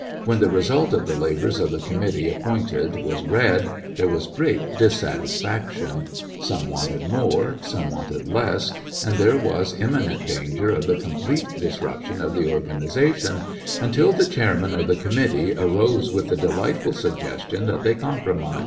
When the result of the labors of the committee appointed was read there was great dissatisfeiction. Some wanted more^ some wanted less, and there was imminent danger of the complete disruption of the organization until the chairman of the com mittee arose with the delightfol suggestion that they compromise.